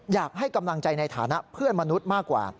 อยากให้กำลังใจในฐานะเพื่อนมนุษย์มากกว่า